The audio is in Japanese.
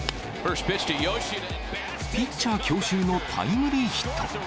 ピッチャー強襲のタイムリーヒット。